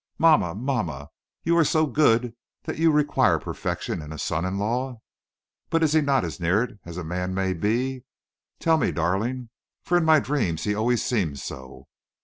Mamma, mamma, you are so good that you require perfection in a son in law. But is he not as near it as a man may be? Tell me, darling, for in my dreams he always seems so."